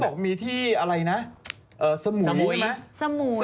เห็นบอกมีที่อะไรนะสมุยสมุยนะ